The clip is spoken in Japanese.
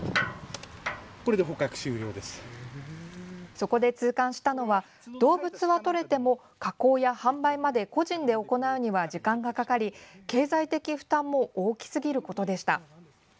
そこで痛感したのは動物はとれても加工や販売まで個人で行うには時間がかかり経済的負担も大きすぎることでした。